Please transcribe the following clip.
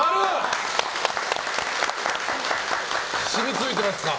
染みついてますか？